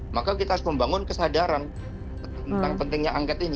maka kita harus membangun kesadaran tentang pentingnya angket ini